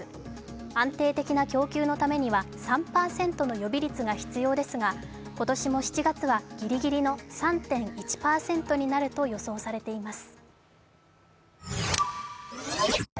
安定的な供給のためには３％の予備率が必要ですが今年も７月はギリギリの３．１％になると予想されています。